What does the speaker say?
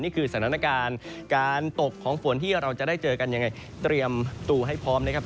นี่คือสถานการณ์การตกของฝนที่เราจะได้เจอกันยังไงเตรียมตัวให้พร้อมนะครับ